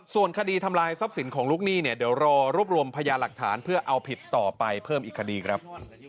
ส่วนคดีทำลายทรัพย์สินของลูกหนี้เนี่ยเดี๋ยวรอรวบรวมพยาหลักฐานเพื่อเอาผิดต่อไปเพิ่มอีกคดีครับ